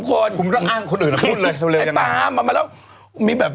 คุณต้องอั้งคนอื่นก็พูดเลย